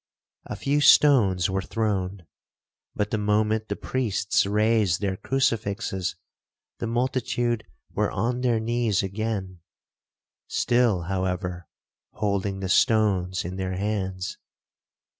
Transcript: A few stones were thrown; but the moment the priests raised their crucifixes, the multitude were on their knees again, still, however, holding the stones in their hands.